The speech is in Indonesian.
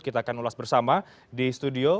kita akan ulas bersama di studio